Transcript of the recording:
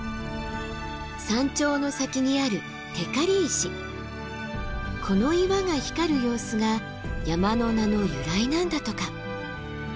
山頂の先にあるこの岩が光る様子が山の名の由来なんだとか。